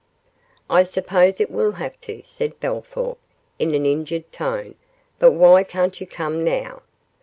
'I suppose it will have to,' said Bellthorp, in an injured tone; 'but why can't you come now?